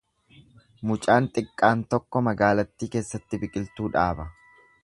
Mucaan xiqqaan tokko magaalattii keessatti biqiltuu dhaaba.